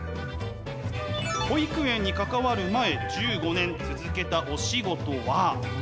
保育園に関わる前１５年続けたお仕事は。